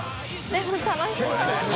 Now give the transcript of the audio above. でも楽しそう。